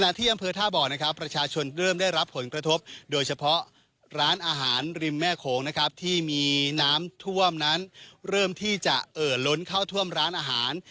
ที่อำเภอท่าบ่อนะครับประชาชนเริ่มได้รับผลกระทบโดยเฉพาะร้านอาหารริมแม่โขงนะครับที่มีน้ำท่วมนั้นเริ่มที่จะเอ่อล้นเข้าท่วมร้านอาหาร